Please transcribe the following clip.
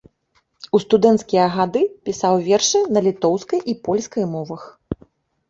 У студэнцкія гады пісаў вершы на літоўскай і польскай мовах.